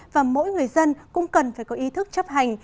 và mỗi người dân cũng cần phải có ý thức chấp hành